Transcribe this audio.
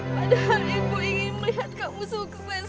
padahal ibu ingin melihat kamu sukses nak